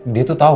dia tuh tau